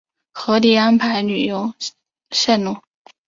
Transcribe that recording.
合理安排旅游线路